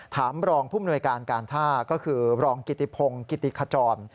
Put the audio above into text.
ถามรองผู้มนวยการการท่าก็คือรองกิติพงศ์กิติขจร